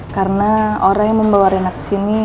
karena orang yang membawa ena kesini